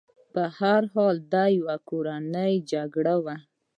په هر حال دا یوه کورنۍ جګړه وه.